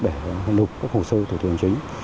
để lục các hồ sơ thủ tục hành chính